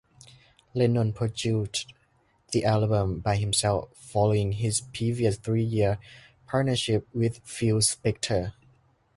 Lennon produced the album by himself, following his previous three-year partnership with Phil Spector.